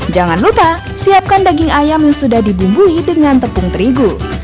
jangan lupa siapkan daging ayam yang sudah dibumbui dengan tepung terigu